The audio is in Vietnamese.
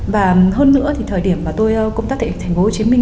và hơn nữa thì thời điểm mà tôi công tác tại tp hcm